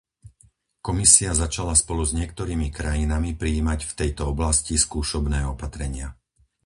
Komisia začala spolu s niektorými krajinami prijímať v tejto oblasti skúšobné opatrenia.